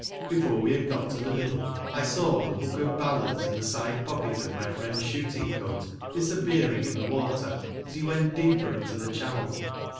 Before we had got to the middle, I saw the book of ballads in the side pocket of my friend's shooting coat disappearing in the water as he went deeper into the channel.